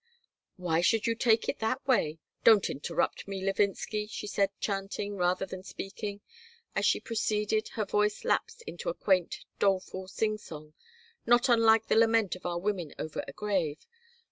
"Why should you take it that way?" "Don't interrupt me, Levinsky," she said, chanting, rather than speaking. As she proceeded, her voice lapsed into a quaint, doleful singsong, not unlike the lament of our women over a grave.